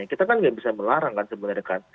kita kan nggak bisa melarang kan sebenarnya kan